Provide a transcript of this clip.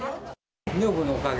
女房のおかげ。